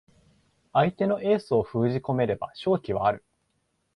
相手のエースを封じ込めれば勝機はある